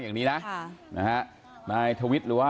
ตรงนี้ตรงนี้ส่งก็เป็นเหลือเท่าไหร่แล้ว